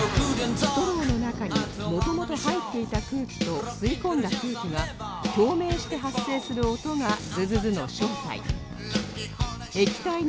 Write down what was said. ストローの中にもともと入っていた空気と吸い込んだ空気が共鳴して発生する音がズズズの正体